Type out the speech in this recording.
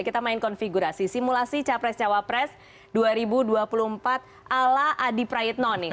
kita main konfigurasi simulasi capres cawapres dua ribu dua puluh empat ala adi prayitno nih